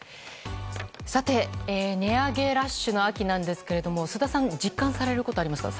さて、値上げラッシュの秋なんですが菅田さんは実感されることありますか？